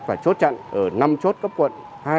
và chốt chặn ở năm chốt cấp quận